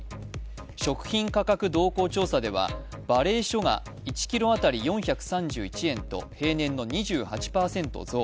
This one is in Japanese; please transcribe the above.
食品価格動向調査ではばれいしょが１ｋｇ当たり４３１円と平年の２８％増。